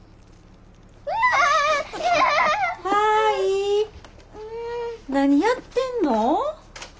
舞何やってんの？